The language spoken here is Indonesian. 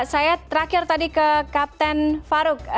saya terakhir tadi ke kapten farouk